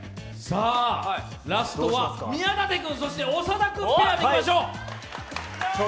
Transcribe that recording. ラストは宮舘君、そして長田君ペアでいきましょう。